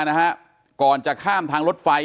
นะฮะก่อนจะข้ามทางรถไฟ